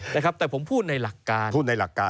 แต่ผมพูดในหลักการ